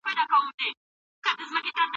هره ستونزه د بریا لپاره یو نوی ګام دی.